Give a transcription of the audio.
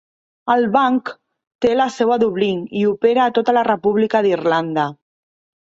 El banc té la seu a Dublín i opera a tota la República d'Irlanda.